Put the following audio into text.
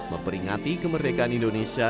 memperingati kemerdekaan indonesia